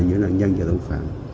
giữa nạn nhân và tội phạm